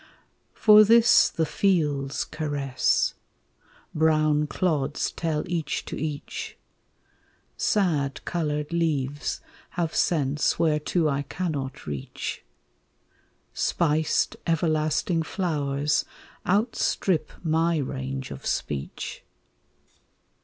For this the fields caress; brown clods tell each to each; Sad colored leaves have sense whereto I cannot reach; Spiced everlasting flowers outstrip my range of speech.